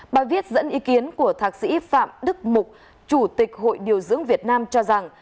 bài viết dẫn ý kiến của thạc sĩ phạm đức mục chủ tịch hội điều dưỡng việt nam cho rằng